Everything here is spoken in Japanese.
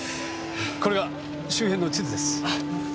これが周辺の地図です。